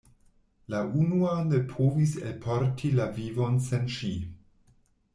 La unua ne povis elporti la vivon sen ŝi.